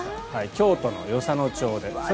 京都の与謝野町で。